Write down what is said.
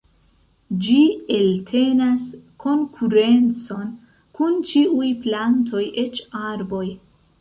Ĝi eltenas konkurencon kun ĉiuj plantoj eĉ arboj.